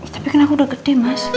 tapi kan aku udah gede mas